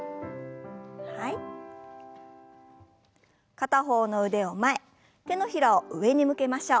片方の腕を前手のひらを上に向けましょう。